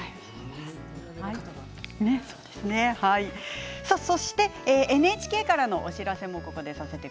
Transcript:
ここでＮＨＫからのお知らせです。